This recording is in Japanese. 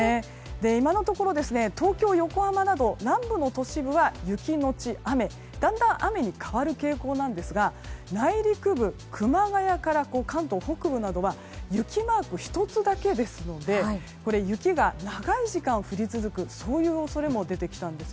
今のところ東京、横浜など南部の都市部は雪のち雨、だんだん雨に変わる傾向なんですが内陸部、熊谷から関東北部などは雪マークは１つだけですので雪が長い時間降り続くそういう恐れも出てきたんです。